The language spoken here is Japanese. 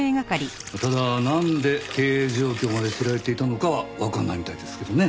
ただなんで経営状況まで知られていたのかはわからないみたいですけどね。